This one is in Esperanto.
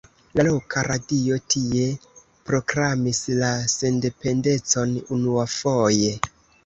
La loka radio tie proklamis la sendependecon unuafoje.